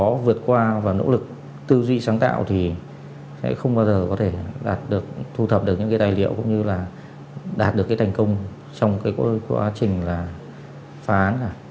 nếu vượt qua và nỗ lực tư duy sáng tạo thì sẽ không bao giờ có thể đạt được thu thập được những cái tài liệu cũng như là đạt được cái thành công trong cái quá trình là phá án